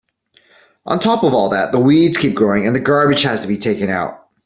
On top of all that, the weeds keep growing and the garbage has to be taken out.